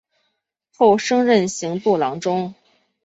后升任刑部郎中。